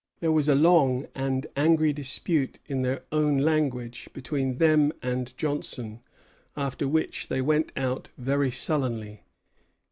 There was a long and angry dispute in their own language between them and Johnson, after which they went out very sullenly.